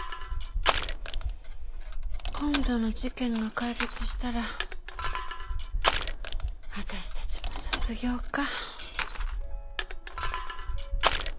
今度の事件が解決したら私たちも卒業か。